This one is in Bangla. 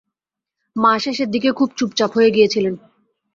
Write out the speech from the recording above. মা শেষের দিকে খুব চুপচাপ হয়ে গিয়েছিলেন।